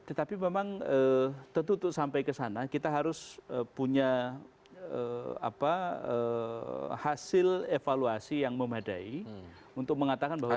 tetapi memang tentu untuk sampai ke sana kita harus punya hasil evaluasi yang memadai untuk mengatakan bahwa